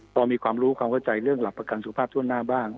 พอมีความรู้ความเข้าใจเรื่องหลักประกันสุขภาพทั่วหน้าบ้าง